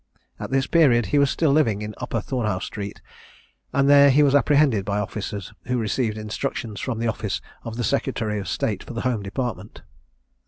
At this period he was still living in Upper Thornhaugh street, and there he was apprehended by officers, who received instructions from the office of the Secretary of State for the Home Department.